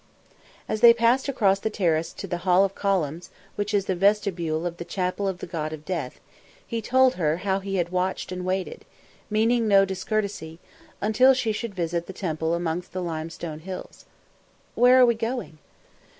As they passed across the terrace to the hall of columns which is the vestibule of the chapel of the god of Death, he told her how he had watched and waited, meaning no discourtesy, until she should visit the temple amongst the limestone hills. "Where are we going?"